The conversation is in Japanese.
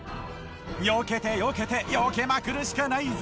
よけてよけてよけまくるしかないぞ！